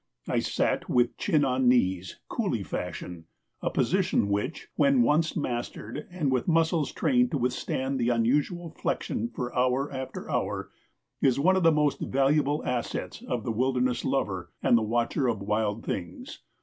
I sat with chin on knees, coolie fashion a position which, when once mastered, and with muscles trained to withstand the unusual flexion for hour after hour, is one of the most valuable assets of the wilderness lover and the watcher of wild things.